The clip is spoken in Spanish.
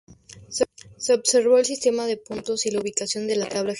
Se observó el sistema de puntos y la ubicación en la Tabla General.